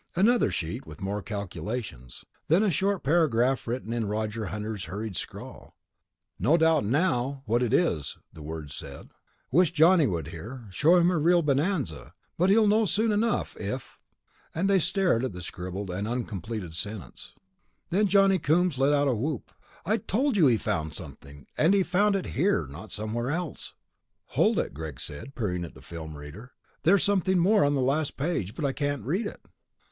Another sheet with more calculations. Then a short paragraph written in Roger Hunter's hurried scrawl. "No doubt now what it is," the words said. "Wish Johnny were here, show him a real bonanza, but he'll know soon enough if...." They stared at the scribbled, uncompleted sentence. Then Johnny Coombs let out a whoop. "I told you he found something! And he found it here, not somewhere else." "Hold it," Greg said, peering at the film reader. "There's something more on the last page, but I can't read it."